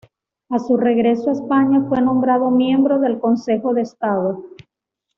A su regreso a España fue nombrado miembro del Consejo de Estado.